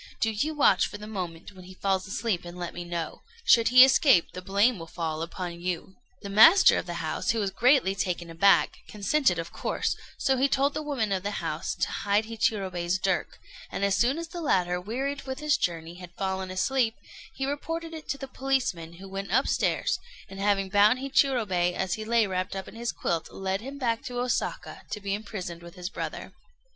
Do you watch for the moment when he falls asleep, and let me know. Should he escape, the blame will fall upon you." The master of the house, who was greatly taken aback, consented of course; so he told the woman of the house to hide Hichirobei's dirk, and as soon as the latter, wearied with his journey, had fallen asleep, he reported it to the policeman, who went upstairs, and having bound Hichirobei as he lay wrapped up in his quilt, led him back to Osaka to be imprisoned with his brother.